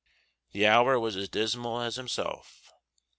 The hour was as dismal as himself.